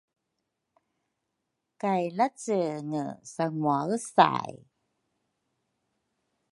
kay lacenge sanguausay.